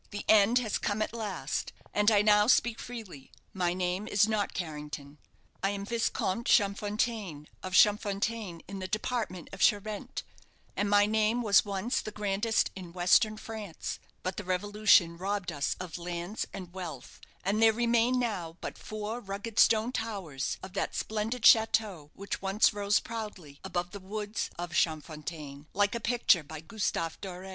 The end has come at last, and I now speak freely. My name is not Carrington. I am Viscomte Champfontaine, of Champfontaine, in the department of Charente, and my name was once the grandest in western France; but the Revolution robbed us of lands and wealth, and there remain now but four rugged stone towers of that splendid chateau which once rose proudly above the woods of Champfontaine, like a picture by Gustave Doré.